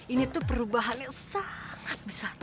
ini tuh perubahannya sangat besar